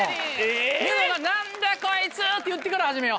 ニノが「なんだこいつ」って言ってから始めよう。